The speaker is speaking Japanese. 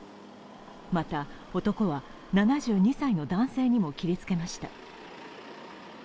また男は７２歳の男性にも切りつけました。